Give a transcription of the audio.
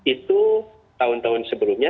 itu tahun tahun sebelumnya